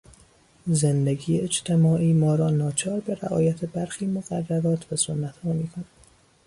زندگی اجتماعی ما را ناچار به رعایت برخی مقررات و سنتها میکند.